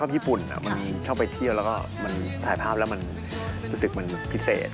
ไม่เคยรู้สึกผิดพลาดที่เลือกคบกับเธอทั้งตลอดชีวิตนี้เลย